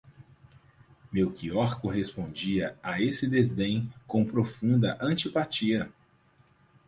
Melcior correspondia a esse desdém com profunda antipatia.